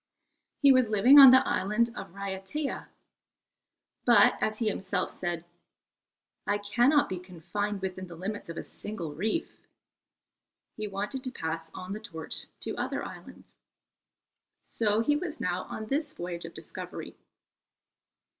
He was living on the island of Raiatea: but as he himself said, "I cannot be confined within the limits of a single reef." He wanted to pass on the torch to other islands. So he was now on this voyage of discovery.